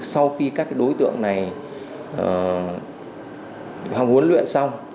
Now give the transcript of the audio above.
sau khi các đối tượng này huấn luyện xong